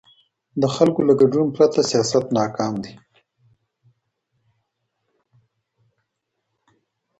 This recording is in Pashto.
د خلکو له ګډون پرته سياست ناکام دی.